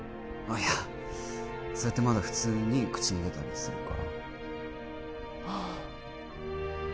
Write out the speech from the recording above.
あっいやそうやってまだ普通に口に出たりするからあ